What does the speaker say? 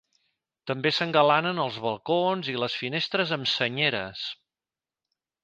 També s'engalanen els balcons i les finestres amb senyeres.